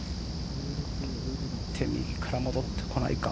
右から戻ってこないか。